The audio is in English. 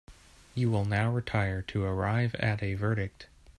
You will now retire to arrive at a verdict.